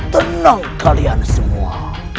tenang kalian semua